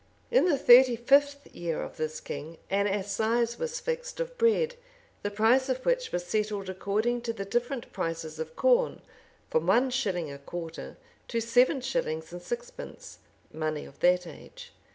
In the thirty fifth year of this king, an assize was fixed of bread, the price of which was settled according to the different prices of corn, from one shilling a quarter to seven shillings and sixpence,[] money of that age.